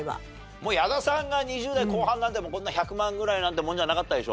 もう矢田さんが２０代後半なんてこんな１００万ぐらいなんてもんじゃなかったでしょ？